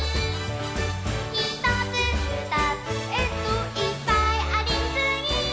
「ひとつふたつえっといっぱいありすぎー！！」